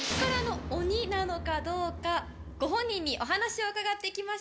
ご本人にお話を伺って来ました。